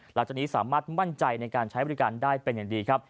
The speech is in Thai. หลังจากนี้สามารถมั่นใจในการใช้บริการได้เป็นอย่างดีครับ